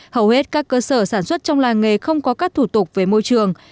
hầu hết các cơ sở sản xuất trong làng nghề không có các thủ tục về môi trường